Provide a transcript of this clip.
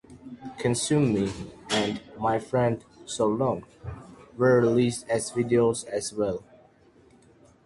"Consume Me" and "My Friend, So Long" were released as videos as well.